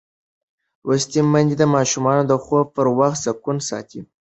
لوستې میندې د ماشومانو د خوب پر وخت سکون ساتي.